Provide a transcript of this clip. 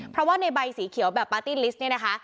เพราะว่าในใบสีเขียวแบบปาร์ตี้ลิสต์